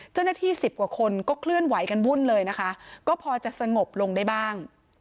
สิบกว่าคนก็เคลื่อนไหวกันวุ่นเลยนะคะก็พอจะสงบลงได้บ้าง